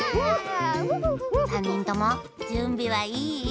さんにんともじゅんびはいい？